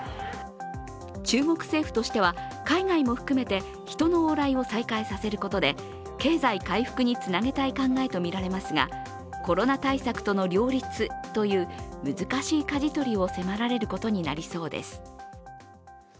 中国政府としては海外も含めて人の往来を再開させることで経済回復につなげたい考えとみられますがコロナ対策との両立という難しいかじ取りを迫られることになりそうです。